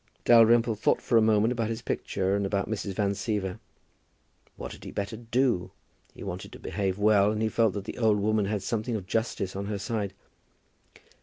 Dalrymple thought for a moment about his picture and about Mrs. Van Siever. What had he better do? He wanted to behave well, and he felt that the old woman had something of justice on her side.